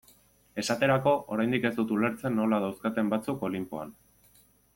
Esaterako, oraindik ez dut ulertzen nola dauzkaten batzuk Olinpoan.